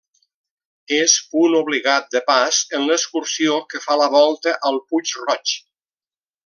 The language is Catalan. És punt obligat de pas en l'excursió que fa la volta al Puig Roig.